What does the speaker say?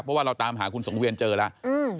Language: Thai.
เพราะว่าเราตามหาคุณสังเวียนเจอแล้ว